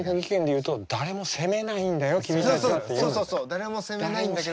誰も責めないんだけど。